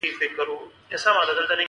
بېل زاویې لیدلوري ګوري.